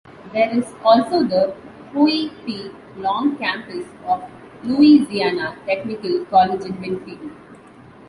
There is also the Huey P. Long Campus of Louisiana Technical College in Winnfield.